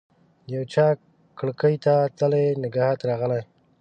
د یوچا کړکۍ ته تللي نګهت راغلی